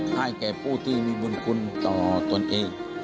ให้แก่ผู้ที่มีบุญคุณต่อตนเอง